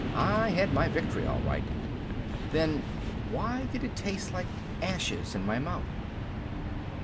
I had my victory all right. Then why did it taste like ashes in my mouth?